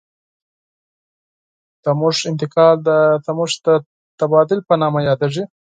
تودوخې انتقال د تودوخې د تبادل په نامه یادیږي.